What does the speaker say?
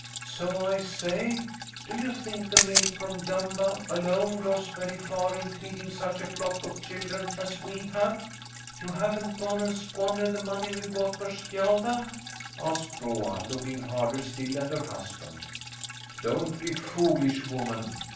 So I say? Do you think the milk from Dumba alone goes very far in feeding such a flock of children as we have? You haven't gone and squandered the money we got for Skjalda? asked Groa, looking harder still at her husband. Don't be foolish, woman!